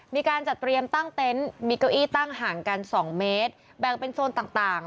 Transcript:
มีการจัดเตรียมตั้งเต็นต์มีเก้าอี้ตั้งห่างกันสองเมตรแบ่งเป็นโซนต่าง